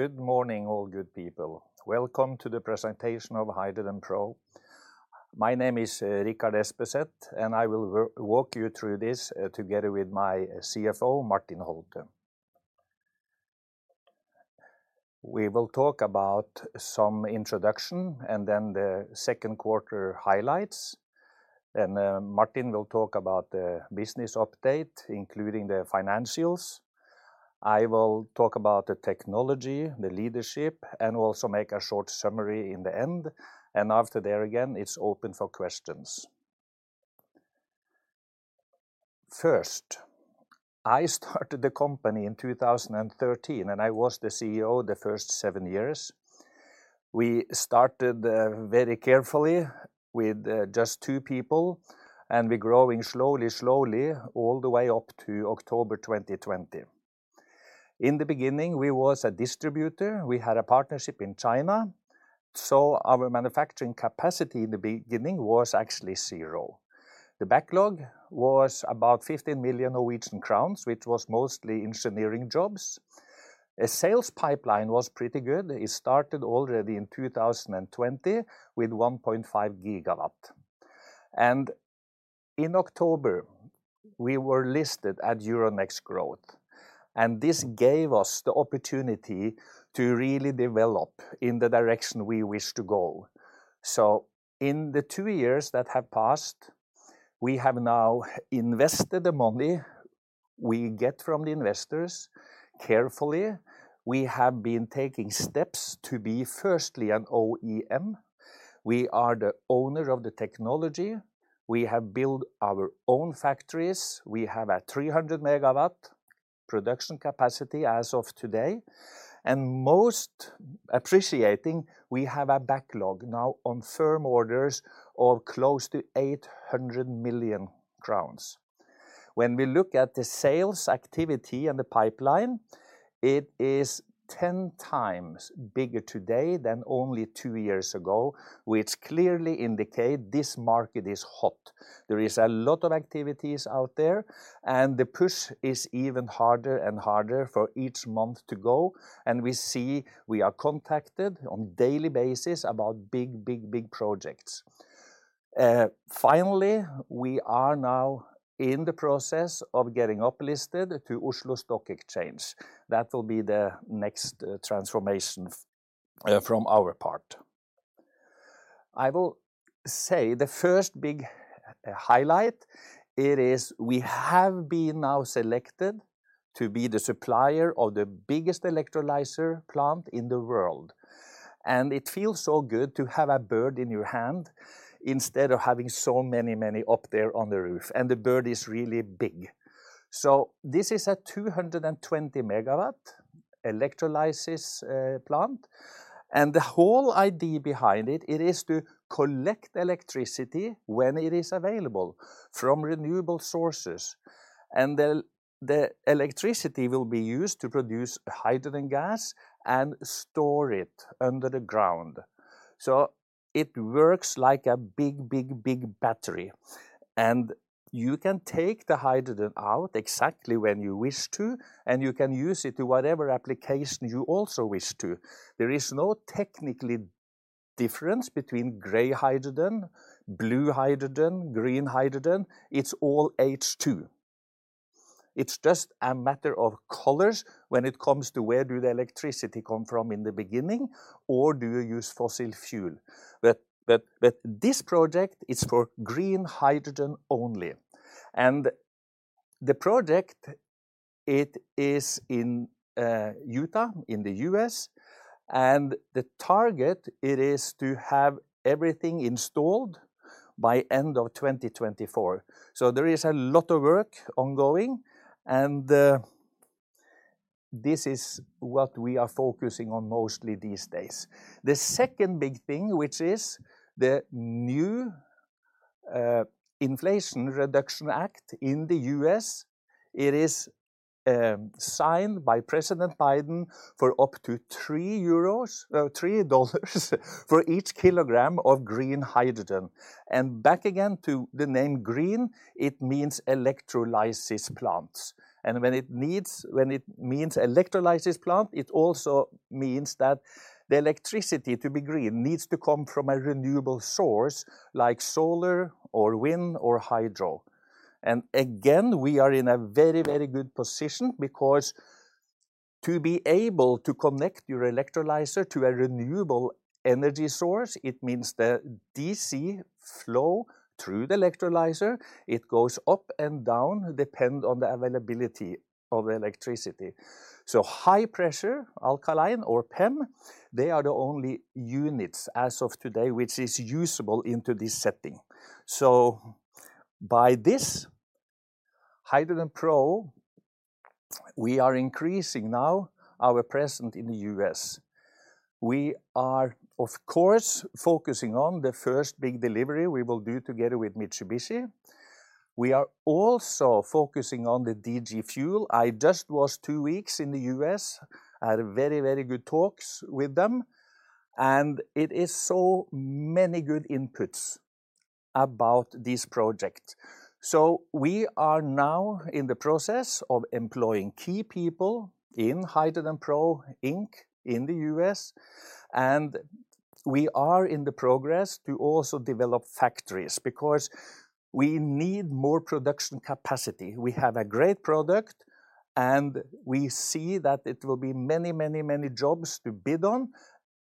Good morning, all good people. Welcome to the presentation of HydrogenPro. My name is Richard Espeseth, and I will walk you through this together with my CFO, Martin Thanem Holtet. We will talk about some introduction and then the Q2 highlights. Then Martin will talk about the business update, including the financials. I will talk about the technology, the leadership, and also make a short summary in the end. After there, again, it's open for questions. First, I started the company in 2013, and I was the CEO the first seven years. We started very carefully with just two people, and we're growing slowly all the way up to October 2020. In the beginning, we was a distributor. We had a partnership in China, so our manufacturing capacity in the beginning was actually zero. The backlog was about 15 million Norwegian crowns, which was mostly engineering jobs. A sales pipeline was pretty good. It started already in 2020 with 1.5 GW. In October, we were listed at Euronext Growth, and this gave us the opportunity to really develop in the direction we wish to go. In the two years that have passed, we have now invested the money we get from the investors carefully. We have been taking steps to be firstly an OEM. We are the owner of the technology. We have built our own factories. We have a 300 MW production capacity as of today, and most appreciating, we have a backlog now on firm orders of close to 800 million crowns. When we look at the sales activity and the pipeline, it is ten times bigger today than only two years ago, which clearly indicate this market is hot. There is a lot of activities out there, and the push is even harder and harder for each month to go. We see we are contacted on daily basis about big projects. Finally, we are now in the process of getting up listed to Oslo Stock Exchange. That will be the next transformation from our part. I will say the first big highlight it is we have been now selected to be the supplier of the biggest electrolyzer plant in the world. It feels so good to have a bird in your hand instead of having so many up there on the roof, and the bird is really big. This is a 220 MW electrolysis plant, and the whole idea behind it is to collect electricity when it is available from renewable sources. The electricity will be used to produce hydrogen gas and store it under the ground. It works like a big battery. You can take the hydrogen out exactly when you wish to, and you can use it to whatever application you also wish to. There is no technical difference between gray hydrogen, blue hydrogen, green hydrogen. It's all H2. It's just a matter of colors when it comes to where do the electricity come from in the beginning, or do you use fossil fuel. This project is for green hydrogen only. The project, it is in Utah in the U.S., and the target it is to have everything installed by end of 2024. There is a lot of work ongoing, and this is what we are focusing on mostly these days. The second big thing, which is the new Inflation Reduction Act in the U.S., it is signed by President Biden for up to $3 for each kilogram of green hydrogen. Back again to the name green, it means electrolysis plants. When it means electrolysis plant, it also means that the electricity to be green needs to come from a renewable source like solar or wind or hydro. Again, we are in a very, very good position because to be able to connect your electrolyzer to a renewable energy source, it means the DC flow through the electrolyzer, it goes up and down, depend on the availability of electricity. High pressure alkaline or PEM, they are the only units as of today which is usable into this setting. By this, HydrogenPro, we are increasing now our presence in the U.S.. We are, of course, focusing on the first big delivery we will do together with Mitsubishi. We are also focusing on the DG Fuels. I just was two weeks in the U.S., had very, very good talks with them, and it is so many good inputs about this project. We are now in the process of employing key people in HydrogenPro Inc. In the U.S., and we are in the progress to also develop factories because we need more production capacity. We have a great product, and we see that it will be many, many, many jobs to bid on,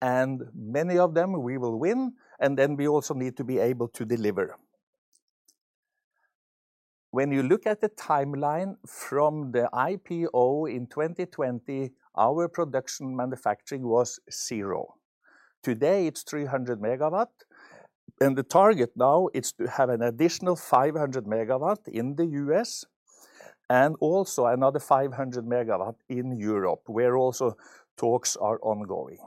and many of them we will win, and then we also need to be able to deliver. When you look at the timeline from the IPO in 2020, our production manufacturing was zero. Today, it's 300 MW, and the target now is to have an additional 500 MW in the U.S. and also another 500 MW in Europe, where also talks are ongoing.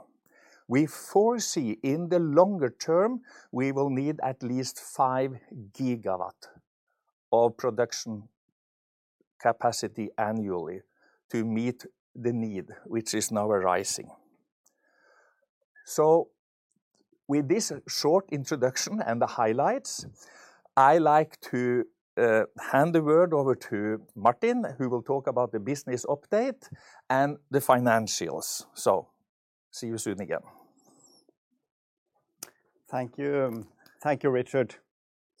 We foresee in the longer term we will need at least 5 GW of production capacity annually to meet the need which is now rising. With this short introduction and the highlights, I like to hand the word over to Martin, who will talk about the business update and the financials. See you soon again.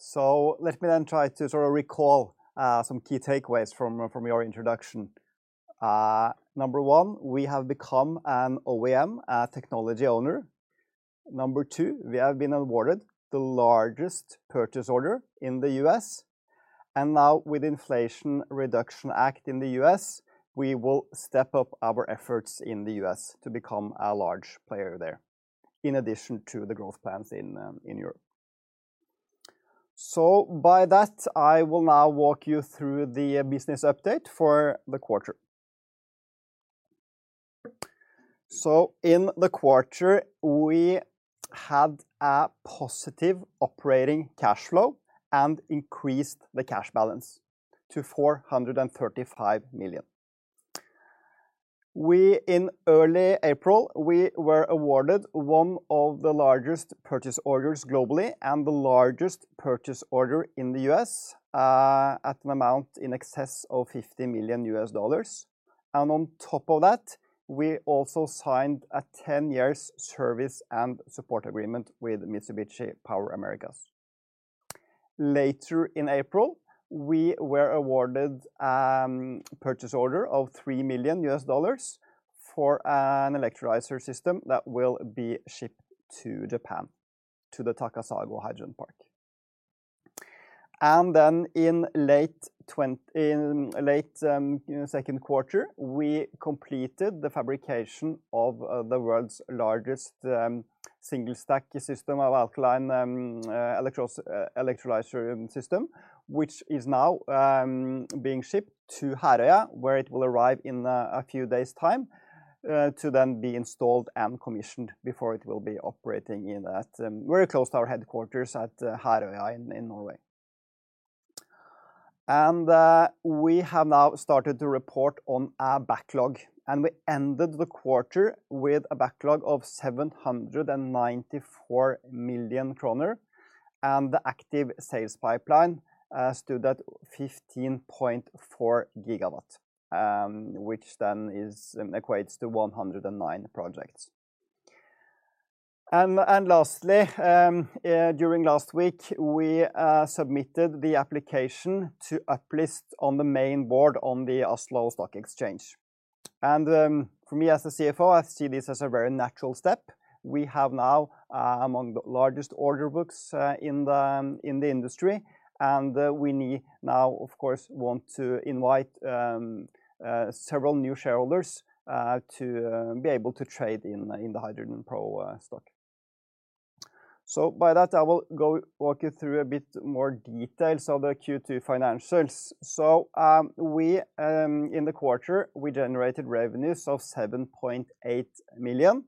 Thank you. Thank you, Richard. Let me then try to sort of recall some key takeaways from your introduction. Number one, we have become an OEM, a technology owner. Number two, we have been awarded the largest purchase order in the U.S.. Now with Inflation Reduction Act in the U.S. We will step up our efforts in the U.S. to become a large player there, in addition to the growth plans in Europe. By that, I will now walk you through the business update for the quarter. In the quarter, we had a positive operating cash flow and increased the cash balance to 435 million. In early April, we were awarded one of the largest purchase orders globally and the largest purchase order in the U.S., at an amount in excess of $50 million. On top of that, we also signed a 10-year service and support agreement with Mitsubishi Power Americas. Later in April, we were awarded a purchase order of $3 million for an electrolyzer system that will be shipped to Japan, to the Takasago Hydrogen Park. In late Q2, we completed the fabrication of the world's largest single stack system of alkaline electrolyzer system, which is now being shipped to Herøya, where it will arrive in a few days time to then be installed and commissioned before it will be operating in that very close to our headquarters at Herøya in Norway. We have now started to report on our backlog, and we ended the quarter with a backlog of 794 million kroner, and the active sales pipeline stood at 15.4 GW, which equates to 109 projects. Lastly, during last week, we submitted the application to uplist on the main board on the Oslo Stock Exchange. For me as the CFO, I see this as a very natural step. We have now among the largest order books in the industry, and we now, of course, want to invite several new shareholders to be able to trade in the HydrogenPro stock. With that, I will walk you through a bit more details of the Q2 financials. In the quarter, we generated revenues of 7.8 million.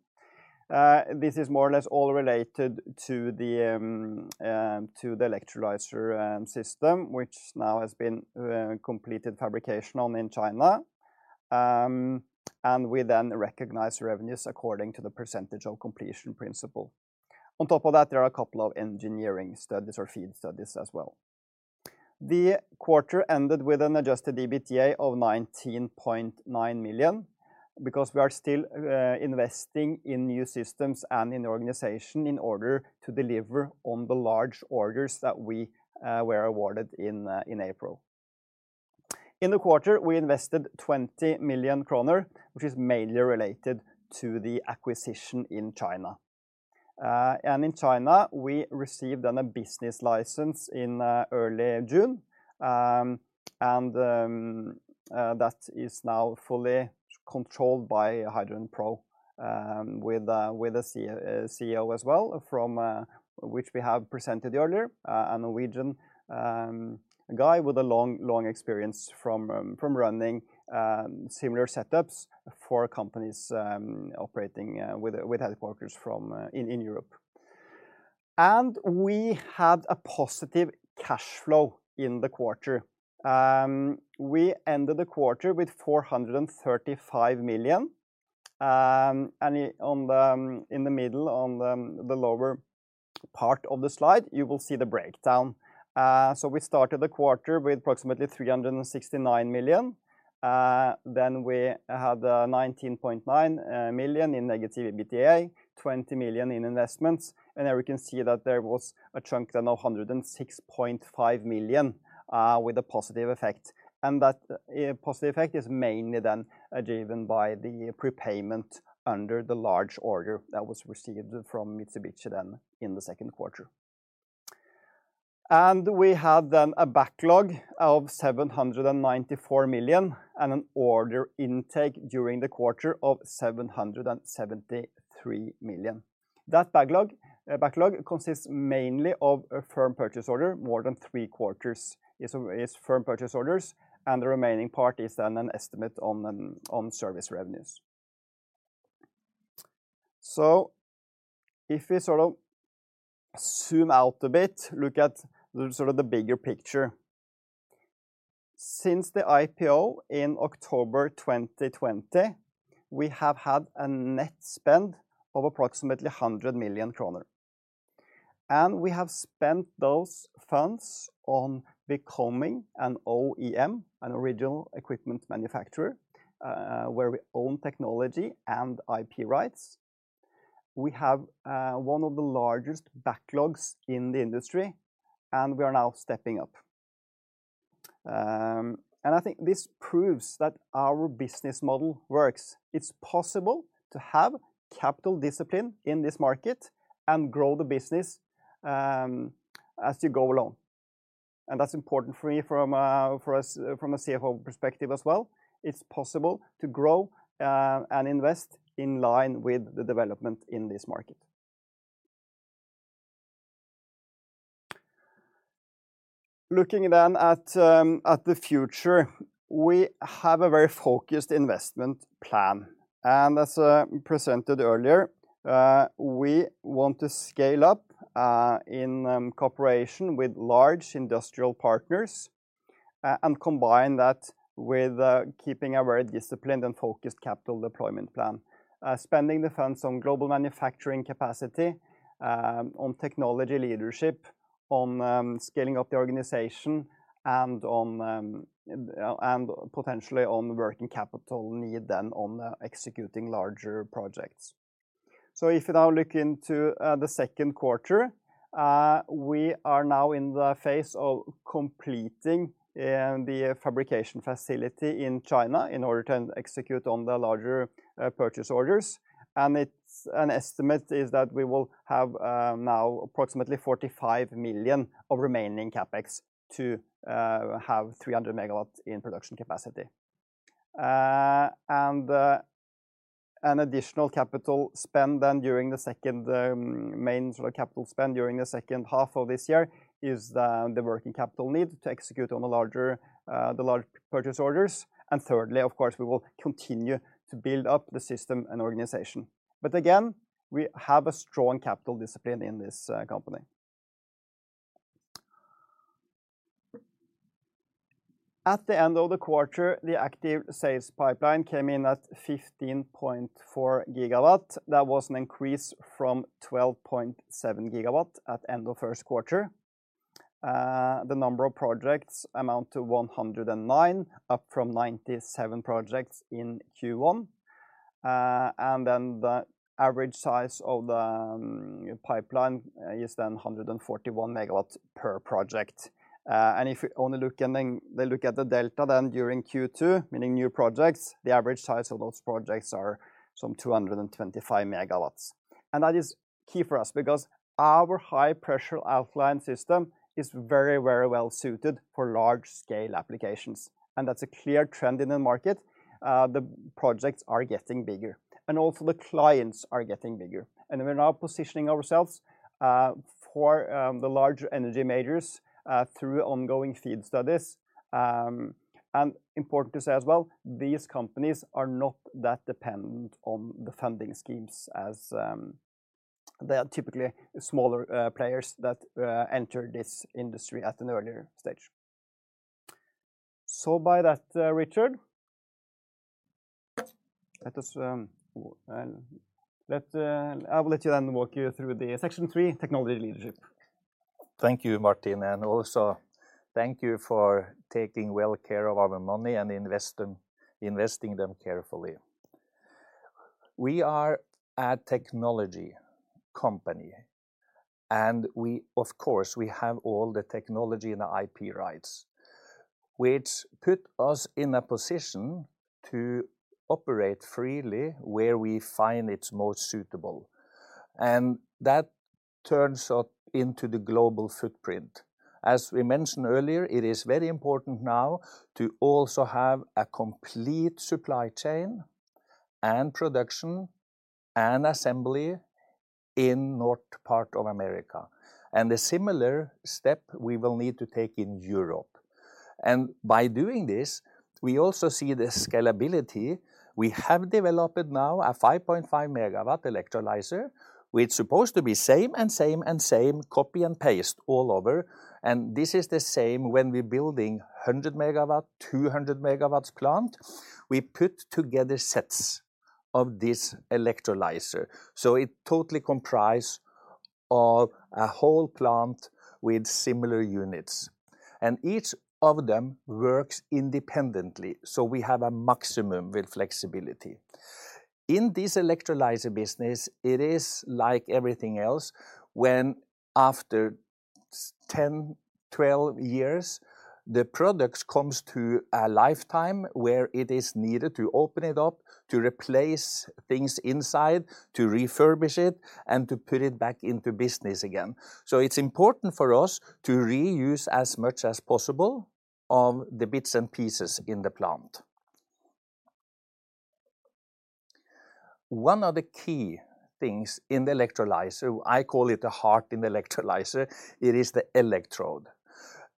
This is more or less all related to the electrolyzer system, which now has been completed fabrication on in China. We then recognize revenues according to the percentage of completion principle. On top of that, there are a couple of engineering studies or FEED studies as well. The quarter ended with an adjusted EBITDA of 19.9 million because we are still investing in new systems and in the organization in order to deliver on the large orders that we were awarded in April. In the quarter, we invested 20 million kroner, which is mainly related to the acquisition in China. In China, we received then a business license in early June, and that is now fully controlled by HydrogenPro, with a CEO as well, whom we have presented earlier, a Norwegian guy with a long experience from running similar setups for companies operating with headquarters in Europe. We had a positive cash flow in the quarter. We ended the quarter with 435 million. In the middle, on the lower part of the slide, you will see the breakdown. We started the quarter with approximately 369 million. Then we had 19.9 million in negative EBITDA, 20 million in investments. There we can see that there was a chunk of 106.5 million NOK with a positive effect. That positive effect is mainly driven by the prepayment under the large order that was received from Mitsubishi in the Q2. We had a backlog of 794 million and an order intake during the quarter of 773 million. That backlog consists mainly of a firm purchase order. More than three quarters is firm purchase orders, and the remaining part is an estimate on service revenues. If we sort of zoom out a bit, look at the bigger picture. Since the IPO in October 2020, we have had a net spend of approximately 100 million kroner, and we have spent those funds on becoming an OEM, an original equipment manufacturer, where we own technology and IP rights. We have one of the largest backlogs in the industry, and we are now stepping up. I think this proves that our business model works. It's possible to have capital discipline in this market and grow the business as you go along. That's important for us from a CFO perspective as well. It's possible to grow and invest in line with the development in this market. Looking then at the future, we have a very focused investment plan. As presented earlier, we want to scale up in cooperation with large industrial partners and combine that with keeping a very disciplined and focused capital deployment plan. Spending the funds on global manufacturing capacity on technology leadership on scaling up the organization and potentially on working capital needs then on executing larger projects. If you now look into the Q2, we are now in the phase of completing the fabrication facility in China in order to execute on the larger purchase orders. It's an estimate that we will have now approximately 45 million of remaining CapEx to have 300 MW in production capacity. An additional capital spend then during the second, main sort of capital spend during the H2 of this year is the working capital need to execute on the large purchase orders. Thirdly, of course, we will continue to build up the system and organization. Again, we have a strong capital discipline in this company. At the end of the quarter, the active sales pipeline came in at 15.4 GW. That was an increase from 12.7 GW at end of Q1. The number of projects amount to 109, up from 97 projects in Q1. The average size of the pipeline is then 141 MW per project. If you only look at the delta then during Q2, meaning new projects, the average size of those projects are some 225 MW. That is key for us because our high-pressure alkaline system is very, very well suited for large scale applications, and that's a clear trend in the market. The projects are getting bigger, and also the clients are getting bigger. We're now positioning ourselves for the larger energy majors through ongoing FEED studies. Important to say as well, these companies are not that dependent on the funding schemes as they are typically smaller players that enter this industry at an earlier stage. By that, Richard, I will let you then walk you through the section three, technology leadership. Thank you, Martin. Also thank you for taking well care of our money and investing them carefully. We are a technology company, and we of course, we have all the technology and the IP rights, which put us in a position to operate freely where we find it's most suitable, and that turns out into the global footprint. As we mentioned earlier, it is very important now to also have a complete supply chain and production and assembly in North America. A similar step we will need to take in Europe. By doing this, we also see the scalability. We have developed now a 5.5 MW electrolyzer, which supposed to be same and same and same, copy and paste all over. This is the same when we're building 100 MW, 200 MWs plant. We put together sets of this electrolyzer, so it totally comprises of a whole plant with similar units. Each of them works independently, so we have maximum flexibility. In this electrolyzer business, it is like everything else when after 10, 12 years, the product comes to a lifetime where it is needed to open it up, to replace things inside, to refurbish it, and to put it back into business again. It's important for us to reuse as much as possible of the bits and pieces in the plant. One of the key things in the electrolyzer, I call it the heart in the electrolyzer, it is the electrode.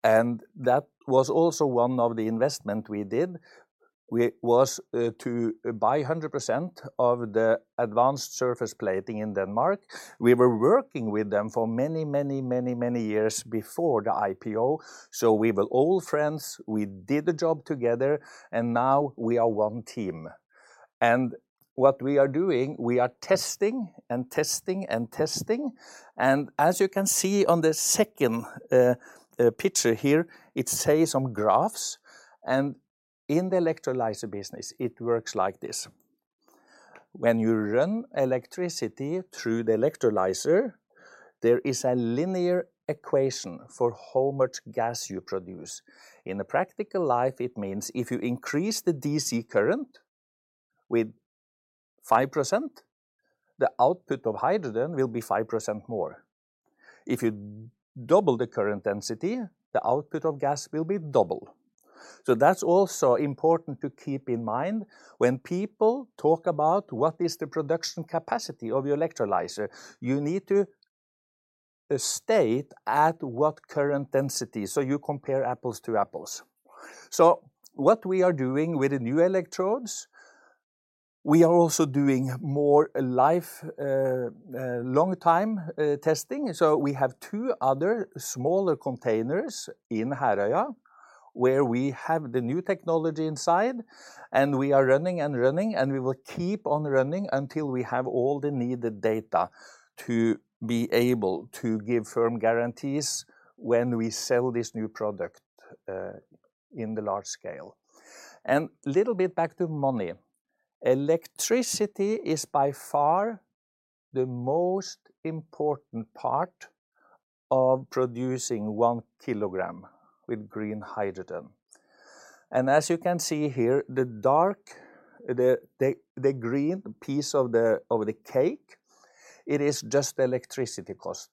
That was also one of the investment we did, to buy 100% of the Advanced Surface Plating in Denmark. We were working with them for many years before the IPO, so we were old friends. We did the job together, and now we are one team. What we are doing, we are testing and testing and testing. As you can see on the second picture here, it says some graphs. In the electrolyzer business, it works like this. When you run electricity through the electrolyzer, there is a linear equation for how much gas you produce. In a practical life, it means if you increase the DC current with 5%, the output of hydrogen will be 5% more. If you double the current density, the output of gas will be double. That's also important to keep in mind when people talk about what is the production capacity of your electrolyzer. You need to state at what current density, so you compare apples to apples. What we are doing with the new electrodes, we are also doing more lifetime testing. We have two other smaller containers in Herøya where we have the new technology inside, and we are running, and we will keep on running until we have all the needed data to be able to give firm guarantees when we sell this new product in the large scale. Little bit back to money. Electricity is by far the most important part of producing one kilogram of green hydrogen. As you can see here, the dark green piece of the cake, it is just electricity cost.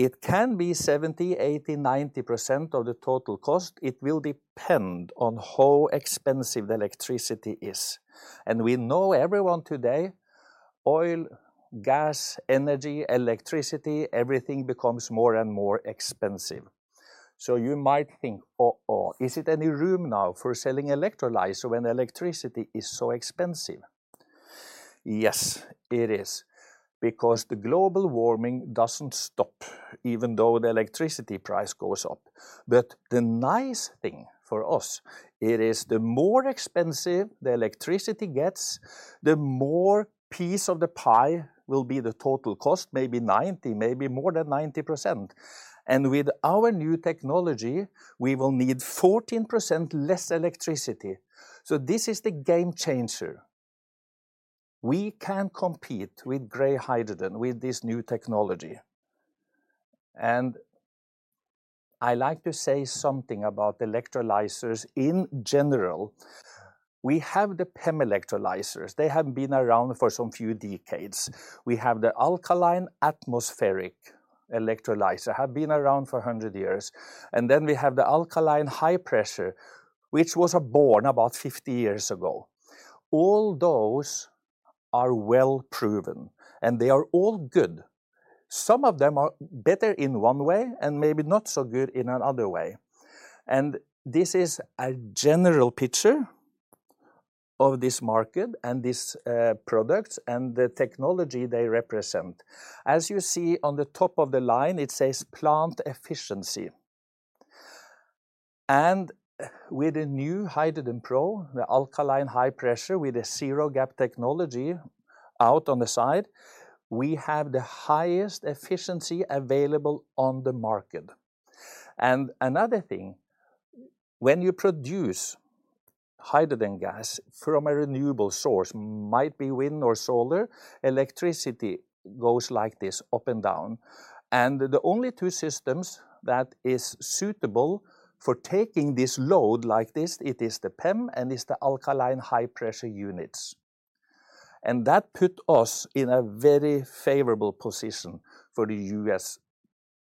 It can be 70, 80, 90% of the total cost. It will depend on how expensive the electricity is. We know everyone today, oil, gas, energy, electricity, everything becomes more and more expensive. You might think, is it any room now for selling electrolyzer when electricity is so expensive? Yes, it is, because the global warming doesn't stop even though the electricity price goes up. The nice thing for us, it is the more expensive the electricity gets, the more piece of the pie will be the total cost, maybe 90, maybe more than 90%. With our new technology, we will need 14% less electricity. This is the game changer. We can compete with gray hydrogen with this new technology. I like to say something about electrolyzers in general. We have the PEM electrolyzers. They have been around for some few decades. We have the alkaline atmospheric electrolyzer, have been around for 100 years. Then we have the alkaline high pressure, which was born about 50 years ago. All those are well-proven, and they are all good. Some of them are better in one way and maybe not so good in another way. This is a general picture of this market and this product and the technology they represent. As you see on the top of the line, it says plant efficiency. With the new HydrogenPro, the alkaline high pressure with the zero gap technology out on the side, we have the highest efficiency available on the market. Another thing, when you produce hydrogen gas from a renewable source, might be wind or solar, electricity goes like this, up and down. The only two systems that is suitable for taking this load like this, it is the PEM and it's the alkaline high pressure units. That put us in a very favorable position for the U.S.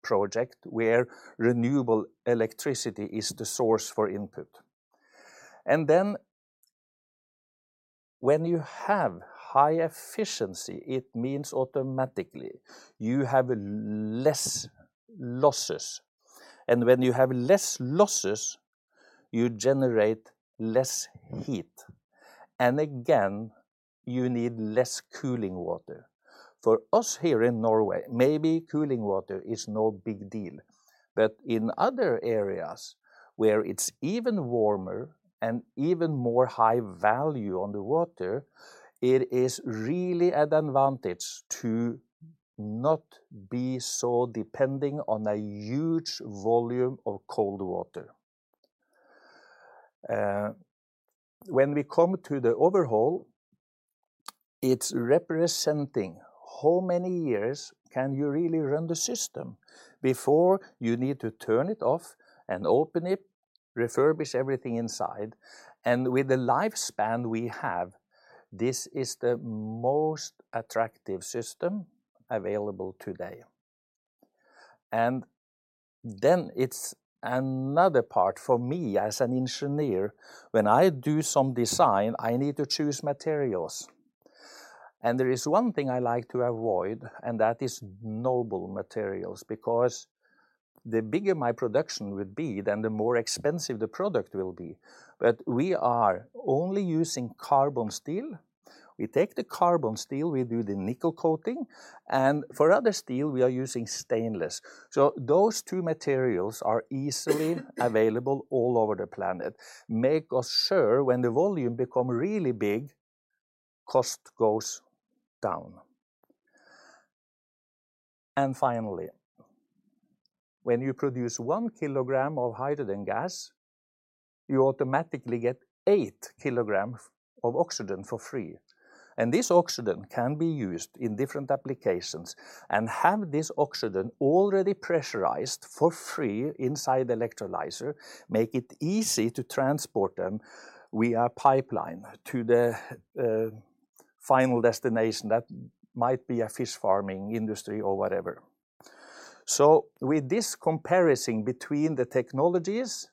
project where renewable electricity is the source for input. Then when you have high efficiency, it means automatically you have less losses. When you have less losses, you generate less heat. Again, you need less cooling water. For us here in Norway, maybe cooling water is no big deal. But in other areas where it's even warmer and even more high value on the water, it is really an advantage to not be so depending on a huge volume of cold water. When we come to the overhaul, it's representing how many years can you really run the system before you need to turn it off and open it, refurbish everything inside. With the lifespan we have, this is the most attractive system available today. Then it's another part for me as an engineer, when I do some design, I need to choose materials. There is one thing I like to avoid, and that is noble materials, because the bigger my production will be, then the more expensive the product will be. We are only using carbon steel. We take the carbon steel, we do the nickel coating, and for other steel, we are using stainless. Those two materials are easily available all over the planet, make us sure when the volume become really big, cost goes down. Finally, when you produce 1 kg of hydrogen gas, you automatically get 8 kg of oxygen for free. This oxygen can be used in different applications and have this oxygen already pressurized for free inside the electrolyzer, make it easy to transport them via pipeline to the final destination. That might be a fish farming industry or whatever. With this comparison between the technologies,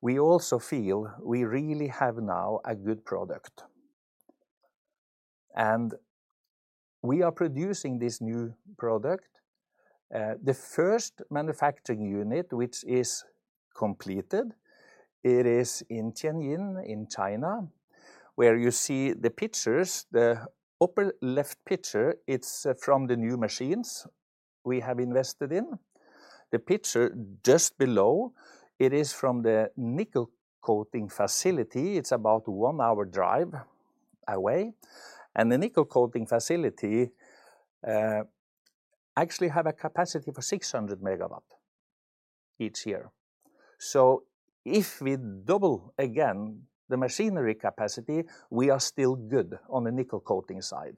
we also feel we really have now a good product. We are producing this new product, the first manufacturing unit which is completed, it is in Tianjin in China, where you see the pictures. The upper left picture, it's from the new machines we have invested in. The picture just below, it is from the nickel coating facility. It's about one hour drive away. The nickel coating facility actually have a capacity for 600 MW each year. If we double again the machinery capacity, we are still good on the nickel coating side.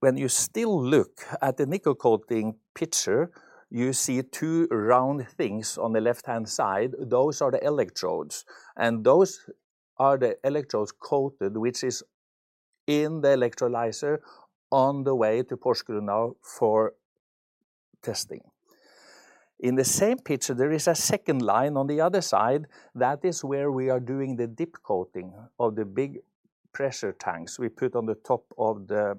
When you still look at the nickel coating picture, you see two round things on the left-hand side, those are the electrodes. Those are the electrodes coated, which is in the electrolyzer on the way to Porsgrunn now for testing. In the same picture, there is a second line on the other side. That is where we are doing the dip coating of the big pressure tanks we put on the top of the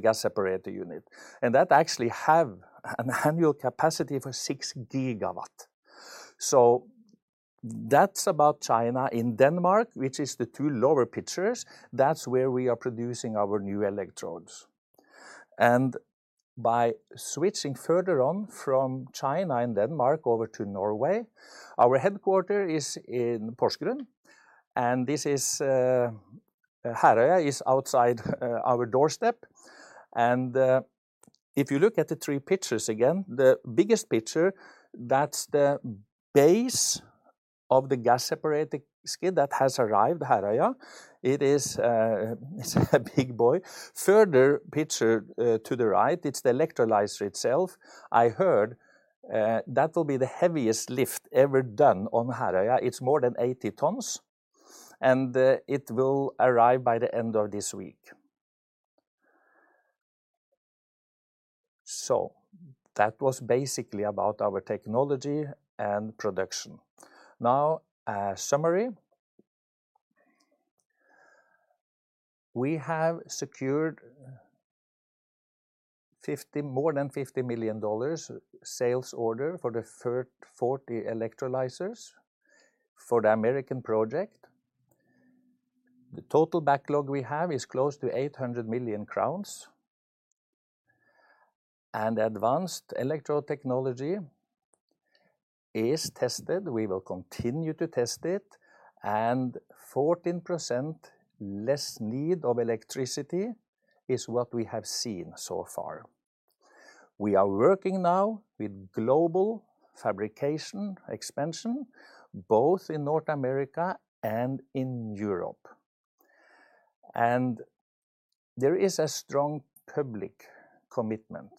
gas separator unit. That actually have an annual capacity for 6 GW. That's about China. In Denmark, which is the two lower pictures, that's where we are producing our new electrodes. By switching further on from China and Denmark over to Norway, our headquarters is in Porsgrunn, and this is, Herøya is outside our doorstep. If you look at the three pictures again, the biggest picture, that's the base of the gas separation skid that has arrived Herøya. It is, it's a big boy. Further picture to the right, it's the electrolyzer itself. I heard that will be the heaviest lift ever done on Herøya. It's more than 80 tons, and it will arrive by the end of this week. That was basically about our technology and production. Now, a summary. We have secured more than $50 million sales order for the 40 electrolyzers for the American project. The total backlog we have is close to 800 million crowns. Advanced electrode technology is tested. We will continue to test it, and 14% less need of electricity is what we have seen so far. We are working now with global fabrication expansion, both in North America and in Europe. There is a strong public commitment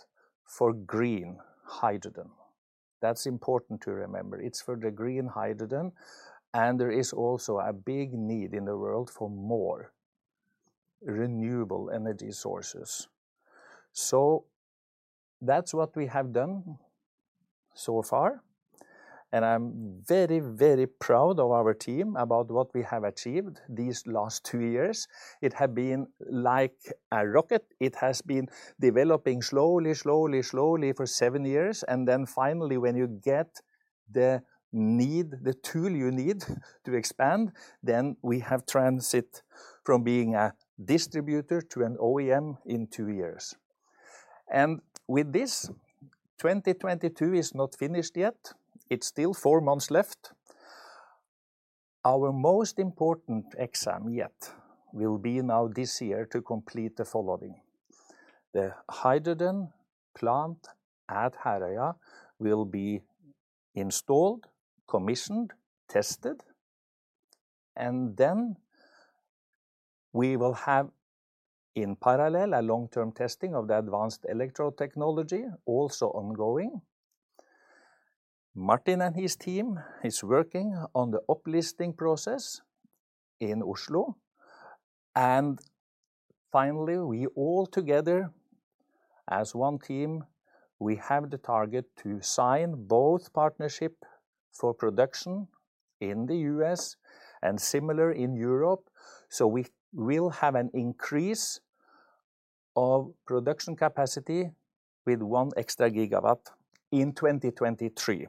for green hydrogen. That's important to remember. It's for the green hydrogen, and there is also a big need in the world for more renewable energy sources. That's what we have done so far, and I'm very, very proud of our team about what we have achieved these last 2 years. It had been like a rocket. It has been developing slowly for 7 years, and then finally when you get the need, the tool you need to expand, then we have transitioned from being a distributor to an OEM in 2 years. With this, 2022 is not finished yet. It's still four months left. Our most important exam yet will be now this year to complete the following. The hydrogen plant at Herøya will be installed, commissioned, tested, and then we will have in parallel a long-term testing of the advanced electrode technology also ongoing. Martin and his team is working on the uplisting process in Oslo. Finally, we all together as one team, we have the target to sign both partnership for production in the U.S. and similar in Europe. We will have an increase of production capacity with one extra gigawatt in 2023.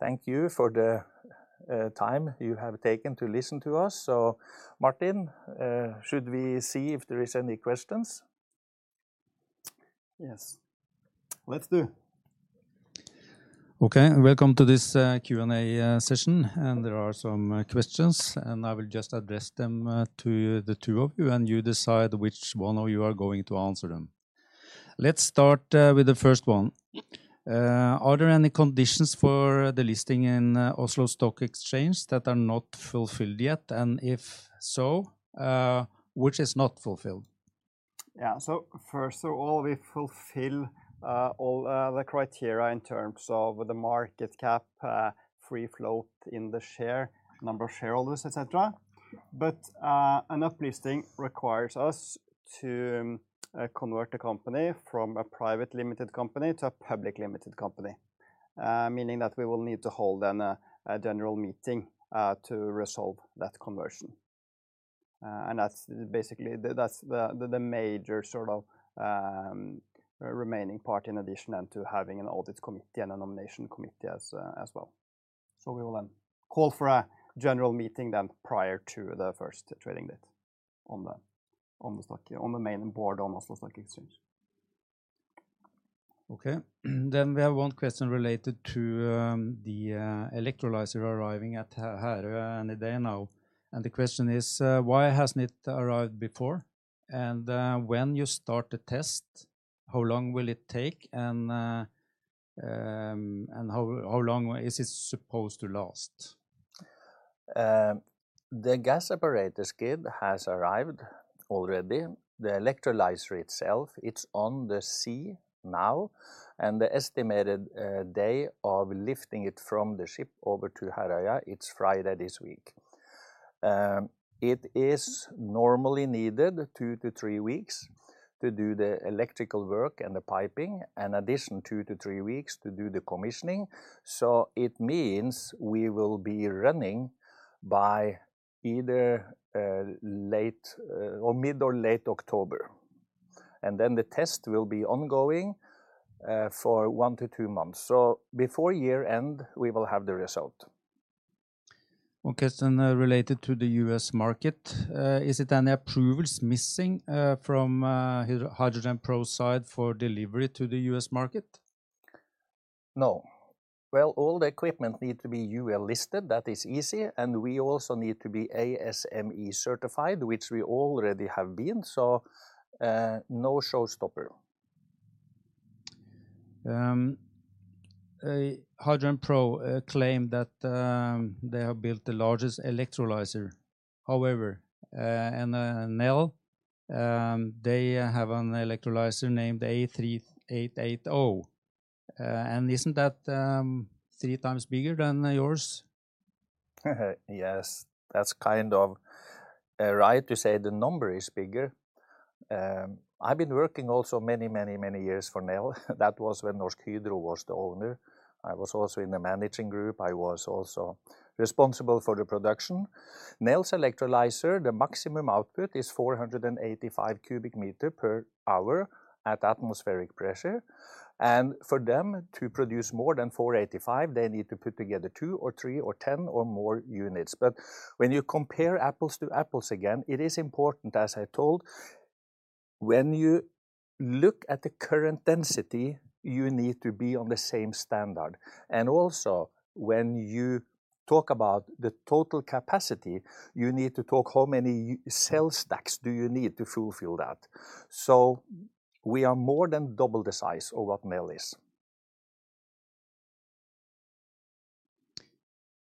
Thank you for the time you have taken to listen to us. Martin, should we see if there is any questions? Yes. Let's do. Okay, welcome to this Q&A session. There are some questions, and I will just address them to the two of you, and you decide which one of you are going to answer them. Let's start with the first one. Are there any conditions for the listing in Oslo Stock Exchange that are not fulfilled yet? If so, which is not fulfilled? Yeah. First of all, we fulfill all the criteria in terms of the market cap, free float in the share, number of shareholders, et cetera. An uplisting requires us to convert the company from a private limited company to a public limited company, meaning that we will need to hold a general meeting to resolve that conversion. That's basically the major sort of remaining part in addition then to having an audit committee and a nomination committee as well. We will then call for a general meeting then prior to the first trading date on the stock, yeah, on the main board on Oslo Stock Exchange. Okay. We have one question related to the electrolyzer arriving at Herøya any day now. The question is, why hasn't it arrived before? When you start the test, how long will it take, and how long is it supposed to last? The gas separator skid has arrived already. The electrolyzer itself, it's on the sea now, and the estimated day of lifting it from the ship over to Herøya, it's Friday this week. It is normally needed 2-3 weeks to do the electrical work and the piping, in addition 2-3 weeks to do the commissioning. It means we will be running by either late or mid or late October. Then the test will be ongoing for 1-2 months. Before year-end, we will have the result. One question related to the U.S. market. Is it any approvals missing from HydrogenPro side for delivery to the U.S. market? No. Well, all the equipment need to be UL Listed. That is easy. We also need to be ASME certified, which we already have been, so no showstopper. HydrogenPro claim that they have built the largest electrolyzer. However, Nel, they have an electrolyzer named A3880. Isn't that three times bigger than yours? Yes. That's kind of right to say the number is bigger. I've been working also many years for Nel. That was when Norsk Hydro was the owner. I was also in the managing group. I was also responsible for the production. Nel's electrolyzer, the maximum output is 485 cubic meter per hour at atmospheric pressure. For them to produce more than 485, they need to put together 2 or 3 or 10 or more units. When you compare apples to apples, again, it is important, as I told, when you look at the current density, you need to be on the same standard. Also, when you talk about the total capacity, you need to talk how many cell stacks do you need to fulfill that. We are more than double the size of what Nel is.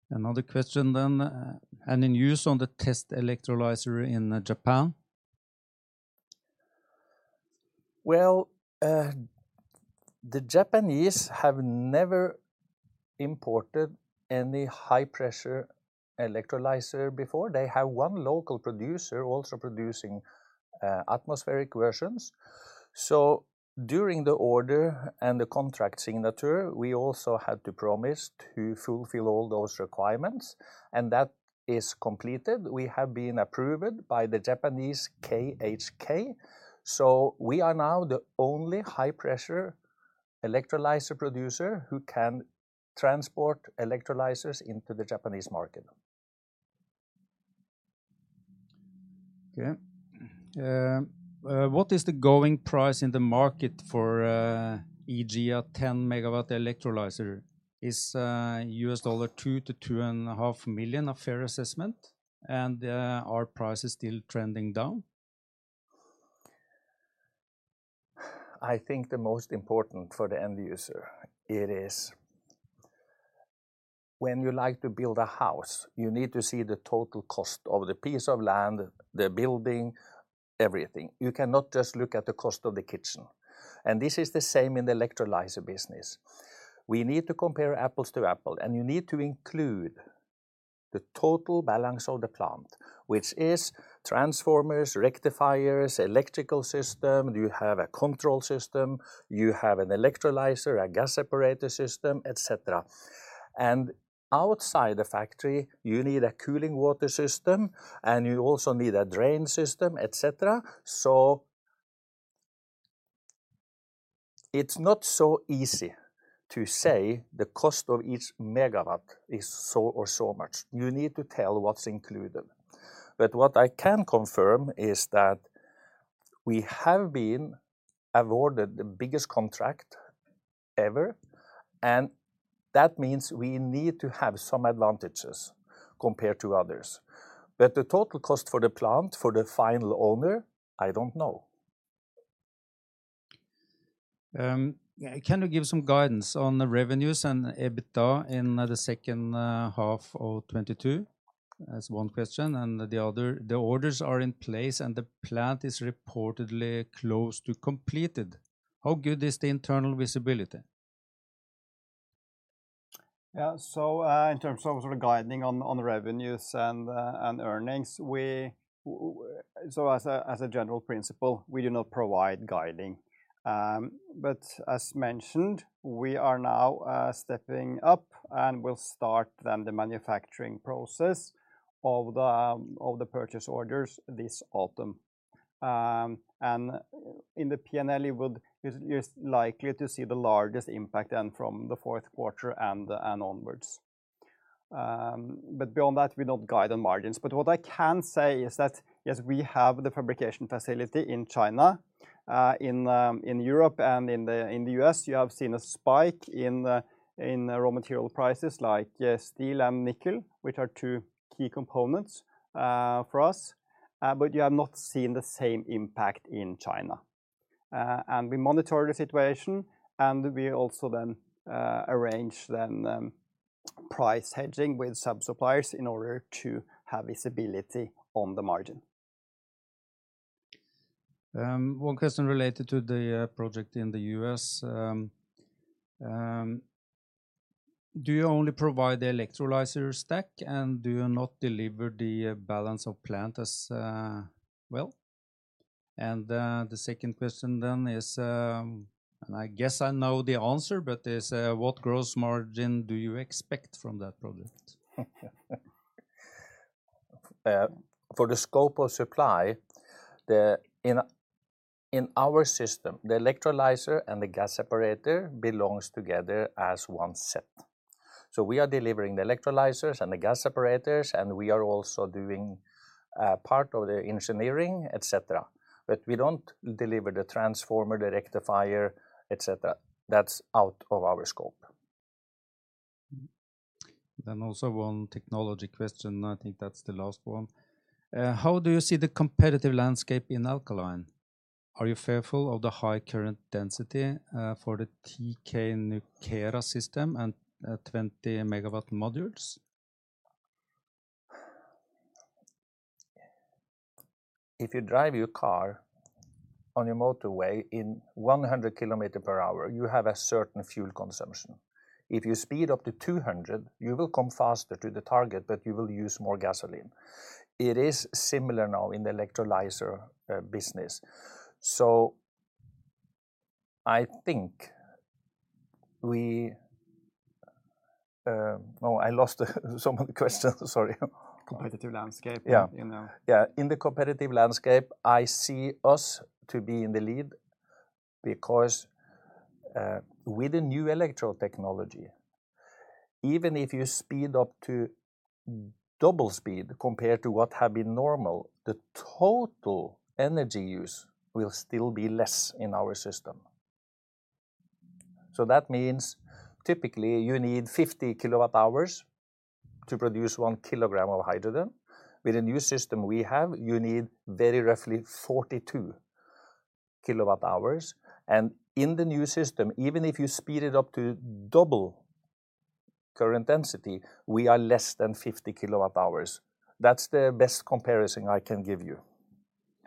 Another question then. Any news on the test electrolyzer in Japan? Well, the Japanese have never imported any high-pressure electrolyzer before. They have one local producer also producing atmospheric versions. During the order and the contract signature, we also had to promise to fulfill all those requirements, and that is completed. We have been approved by the Japanese KHK. We are now the only high-pressure electrolyzer producer who can transport electrolyzers into the Japanese market. What is the going price in the market for, e.g., a 10 MW electrolyzer? Is $2 million-$2.5 million a fair assessment? Are prices still trending down? I think the most important for the end user, it is when you like to build a house, you need to see the total cost of the piece of land, the building, everything. You cannot just look at the cost of the kitchen, and this is the same in the electrolyzer business. We need to compare apples to apples, and you need to include the total balance of plant, which is transformers, rectifiers, electrical system. Do you have a control system? You have an electrolyzer, a gas separator system, et cetera. And outside the factory, you need a cooling water system, and you also need a drain system, et cetera. It's not so easy to say the cost of each MW is so or so much. You need to tell what's included. What I can confirm is that we have been awarded the biggest contract ever, and that means we need to have some advantages compared to others. The total cost for the plant, for the final owner, I don't know. Can you give some guidance on the revenues and EBITDA in the H2 of 2022? That's one question. The other, the orders are in place, and the plant is reportedly close to completed. How good is the internal visibility? In terms of sort of guiding on the revenues and earnings, as a general principle, we do not provide guidance. As mentioned, we are now stepping up, and we'll start then the manufacturing process of the purchase orders this autumn. In the P&L, you're likely to see the largest impact then from the Q4 and onwards. Beyond that, we don't guide on margins. What I can say is that, yes, we have the fabrication facility in China. In Europe and in the US, you have seen a spike in the raw material prices like steel and nickel, which are two key components for us. You have not seen the same impact in China. We monitor the situation, and we also arrange price hedging with some suppliers in order to have visibility on the margin. One question related to the project in the U.S. Do you only provide the electrolyzer stack, and do you not deliver the balance of plant as well? The second question then is, and I guess I know the answer, but what gross margin do you expect from that project? For the scope of supply, in our system, the electrolyzer and the gas separator belongs together as one set. We are delivering the electrolyzers and the gas separators, and we are also doing part of the engineering, et cetera. We don't deliver the transformer, the rectifier, et cetera. That's out of our scope. Also one technology question, I think that's the last one. How do you see the competitive landscape in alkaline? Are you fearful of the high current density for the thyssenkrupp nucera system and 20 MW modules? If you drive your car on a motorway in 100 kph, you have a certain fuel consumption. If you speed up to 200, you will come faster to the target, but you will use more gasoline. It is similar now in the electrolyzer business. Oh, I lost some of the question. Sorry. Competitive landscape- Yeah You know? Yeah. In the competitive landscape, I see us to be in the lead because, with the new electrode technology, even if you speed up to double speed compared to what had been normal, the total energy use will still be less in our system. That means typically you need 50 kWh to produce 1 kgof hydrogen. With the new system we have, you need very roughly 42 kWh. In the new system, even if you speed it up to double current density, we are less than 50 kWh. That's the best comparison I can give you.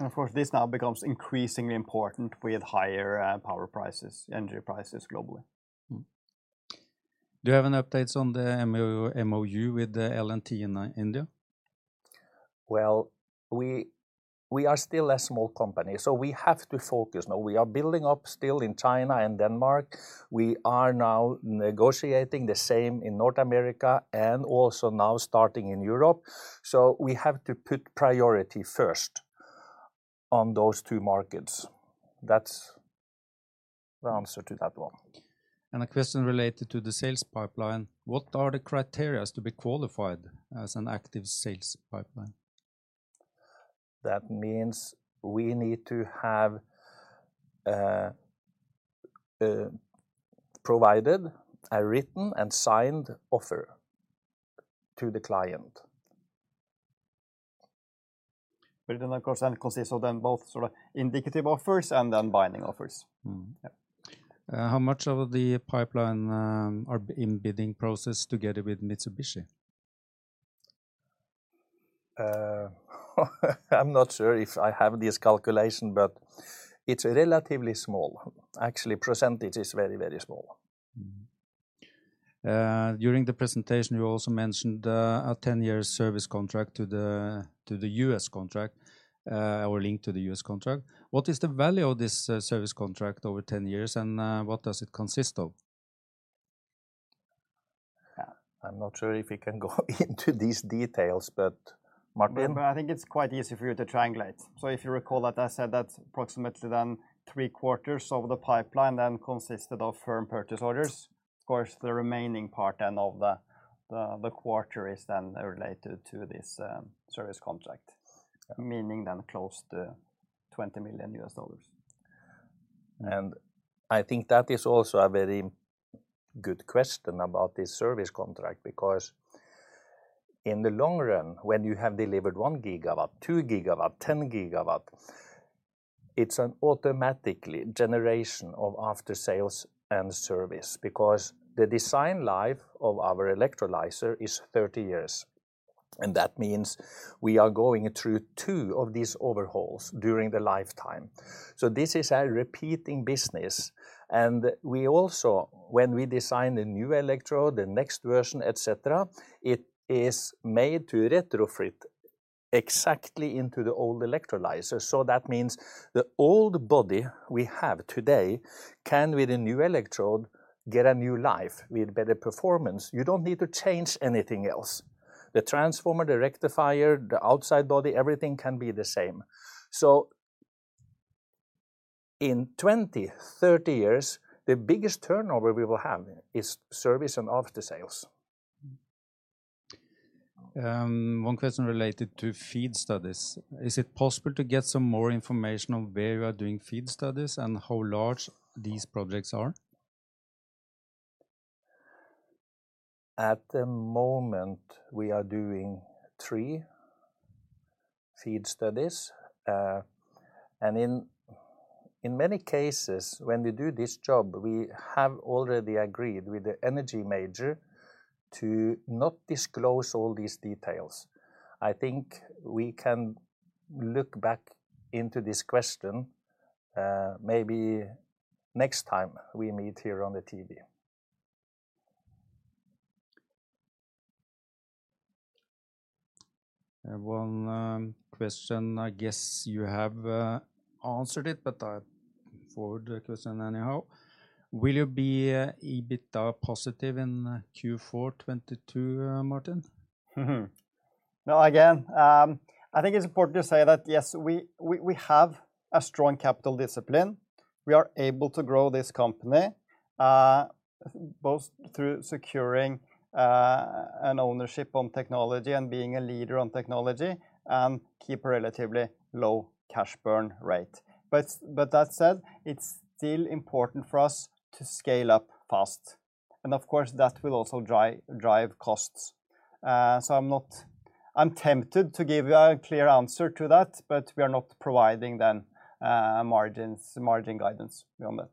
Of course, this now becomes increasingly important with higher power prices, energy prices globally. Mm-hmm. Do you have any updates on the MOU with the L&T in India? Well, we are still a small company, so we have to focus. Now we are building up still in China and Denmark. We are now negotiating the same in North America and also now starting in Europe. We have to put priority first on those two markets. That's the answer to that one. A question related to the sales pipeline, what are the criteria to be qualified as an active sales pipeline? That means we need to have provided a written and signed offer to the client. Of course, that consists of then both sort of indicative offers and then binding offers. Mm. Yeah. How much of the pipeline are in bidding process together with Mitsubishi? I'm not sure if I have this calculation, but it's relatively small. Actually, percentage is very, very small. During the presentation you also mentioned a 10-year service contract to the US contract or linked to the US contract. What is the value of this service contract over 10 years, and what does it consist of? Yeah, I'm not sure if we can go into these details, but Martin? I think it's quite easy for you to triangulate. If you recall that I said that approximately then three quarters of the pipeline then consisted of firm purchase orders, of course, the remaining part then of the quarter is then related to this service contract, meaning then close to $20 million. I think that is also a very good question about this service contract because in the long run when you have delivered 1 gigawatt, 2 gigawatt, 10 gigawatt, it's an automatic generation of after sales and service because the design life of our electrolyzer is 30 years, and that means we are going through two of these overhauls during the lifetime. This is a repeating business and we also, when we design the new electrode, the next version, et cetera, it is made to retrofit exactly into the old electrolyzer. That means the old body we have today can, with a new electrode, get a new life with better performance. You don't need to change anything else. The transformer, the rectifier, the outside body, everything can be the same. In 20, 30 years, the biggest turnover we will have is service and after sales. One question related to FEED studies. Is it possible to get some more information on where you are doing FEED studies and how large these projects are? At the moment we are doing three FEED studies. In many cases when we do this job, we have already agreed with the energy major to not disclose all these details. I think we can look back into this question, maybe next time we meet here on the TV. I have one question, I guess you have answered it, but I forward the question anyhow. Will you be EBITDA positive in Q4 2022, Martin? No, again, I think it's important to say that yes, we have a strong capital discipline. We are able to grow this company both through securing an ownership on technology and being a leader on technology and keep a relatively low cash burn rate. But that said, it's still important for us to scale up fast, and of course, that will also drive costs. So I'm tempted to give you a clear answer to that, but we are not providing margin guidance beyond that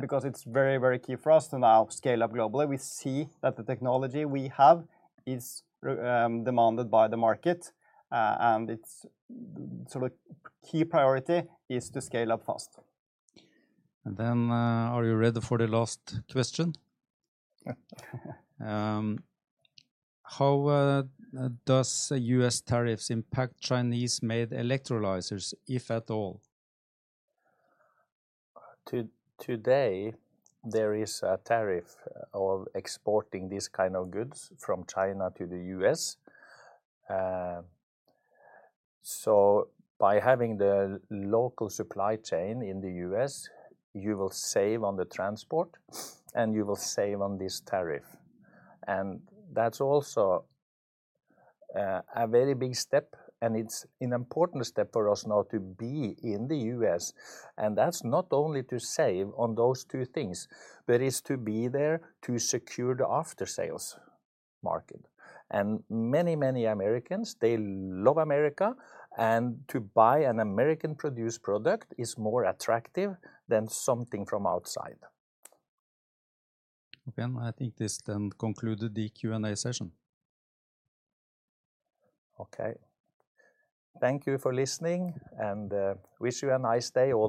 because it's very key for us to now scale up globally. We see that the technology we have is demanded by the market, and it's sort of key priority is to scale up fast. Are you ready for the last question? How does U.S. tariffs impact Chinese-made electrolyzers, if at all? Today there is a tariff on exporting this kind of goods from China to the US. By having the local supply chain in the US, you will save on the transport and you will save on this tariff. That's also a very big step, and it's an important step for us now to be in the US, and that's not only to save on those two things, but it's to be there to secure the after sales market. Many, many Americans, they love America, and to buy an American-produced product is more attractive than something from outside. Okay. I think this then concluded the Q&A session. Okay. Thank you for listening, and wish you a nice day all-